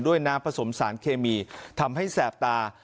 น้ำผสมสารเคมีทำให้แสบตา